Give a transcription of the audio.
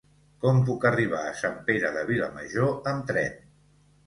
Com puc arribar a Sant Pere de Vilamajor amb tren?